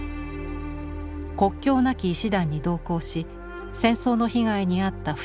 国境なき医師団に同行し戦争の被害に遭った負傷者を取材。